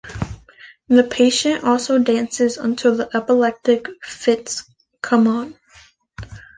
The patient also dances until the epileptic fits come on.